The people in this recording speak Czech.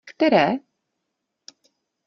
Které?